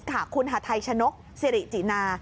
ถามคุณฮาไทชะนกสิริจินา